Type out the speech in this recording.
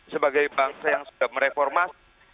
sebagai bangsa yang sudah mereformasi